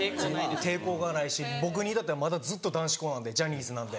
抵抗がないし僕に至ってはまだずっと男子校なんでジャニーズなんで。